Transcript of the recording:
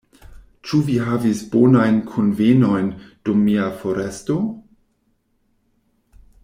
Ĉu vi havis bonajn kunvenojn dum mia foresto?